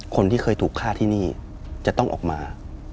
คนที่เคยถูกฆ่าที่นี่จะต้องออกมา